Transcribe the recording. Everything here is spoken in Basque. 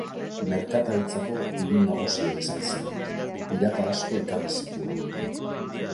Merkataritzako hiri nagusia izan zen, pirata asko erakarri zituena.